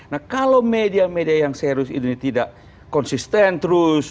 nah kalau media media yang serius ini tidak konsisten terus